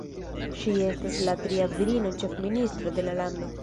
Ŝi estas la tria virino-ĉefministro de la lando.